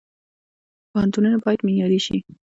پوهنتونونه باید معیاري شي